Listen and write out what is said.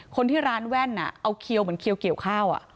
คนที่ร้านแว่นเอาเขียวเหมือนเขียวเกี่ยวข้าว